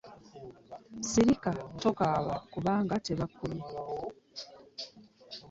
Sirika tokaaba kubange tebakubye.